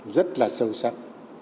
rất là sâu sắc